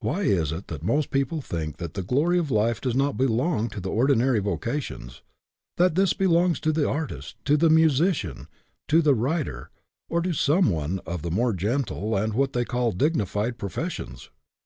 Why is it that most people think that the glory of life does not belong to the ordinary vocations that this belongs to the artist, to the musician, to the writer, or to some one of the more gentle and what they call " dignified " professions